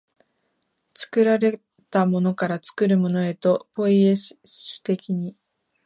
作られたものから作るものへと、ポイエシス的に、